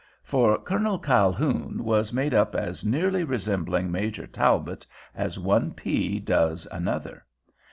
For Colonel Calhoun was made up as nearly resembling Major Talbot as one pea does another.